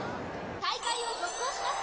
大会を続行します。